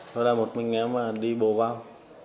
rồi một mình em đi bồ vang